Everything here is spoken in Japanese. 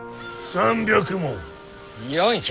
３００文！